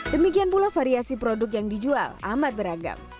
demikian pula variasi produk yang dijual amat beragam